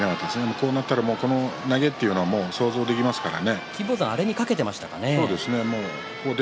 こうなったら投げというのは想像できますから。